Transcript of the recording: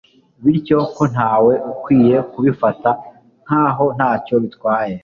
bityo ko ntawe ukwiye kubifata nk'aho ntacyo bitwaye